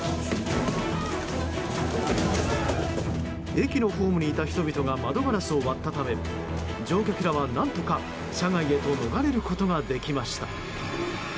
駅のホームにいた人々が窓ガラスを割ったため乗客らは、何とか車外へと逃れることができました。